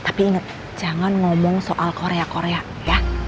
tapi ingat jangan ngomong soal korea korea ya